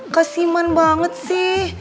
kasihman banget sih